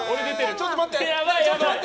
ちょっと待って！